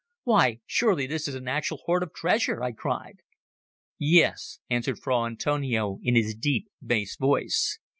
"Why, surely this is an actual hoard of treasure!" I cried. "Yes," answered Fra Antonio in his deep, bass voice.